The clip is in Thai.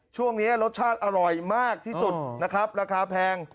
ช่วงนี้รสชาติอร่อยมากที่สุดนะครับราคาแพง